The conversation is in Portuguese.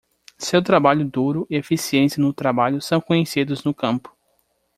Seu trabalho duro e eficiência no trabalho são conhecidos no campo.